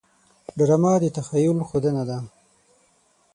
ډرامه د تخیل ښودنه ده